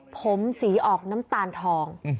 ผมสีออกน้ำตาลทอง